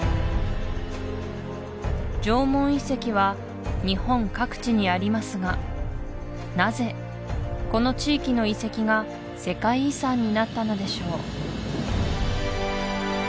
縄文遺跡は日本各地にありますがなぜこの地域の遺跡が世界遺産になったのでしょう？